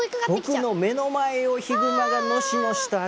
僕の目の前をヒグマがのしのしとあああ！